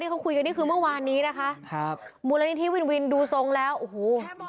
เขาคุยกันนี่คือเมื่อวานนี้นะคะครับมูลนิธิวินวินดูทรงแล้วโอ้โห